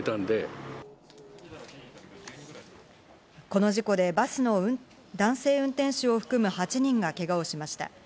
この事故で、バスの男性運転手を含む８人がけがをしました。